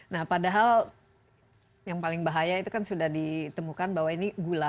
nah padahal yang paling bahaya itu kan sudah ditemukan bahwa ini gula